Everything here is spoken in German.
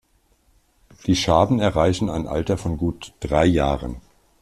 Die Schaben erreichen ein Alter von gut drei Jahren.